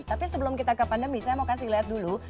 tapi sebelum kita ke pandemi saya mau kasih lihat dulu